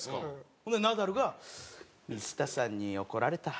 ほんならナダルが「水田さんに怒られた」。